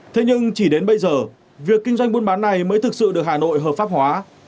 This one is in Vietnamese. thế nhưng chỉ đến bây giờ việc kinh doanh buôn bán này mới thực sự được hà nội hợp pháp hóa